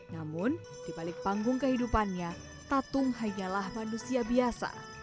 namun di balik panggung kehidupannya tatung hanyalah manusia biasa